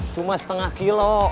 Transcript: cuma setengah kilo